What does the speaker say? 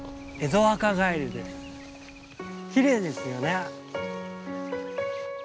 きれいですよね。